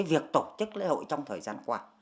việc tổ chức lễ hội trong thời gian qua